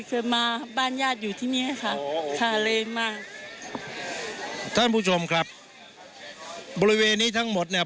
คือมาบ้านญาติอยู่ที่เนี้ยค่ะค่าแรงมากท่านผู้ชมครับบริเวณนี้ทั้งหมดเนี่ย